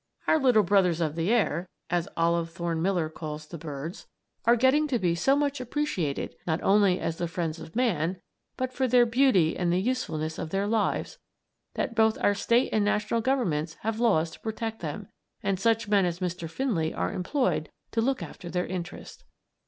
"Our little brothers of the air," as Olive Thorne Miller calls the birds, are getting to be so much appreciated, not only as the friends of man, but for their beauty and the usefulness of their lives, that both our State and national governments have laws to protect them, and such men as Mr. Finley are employed to look after their interests.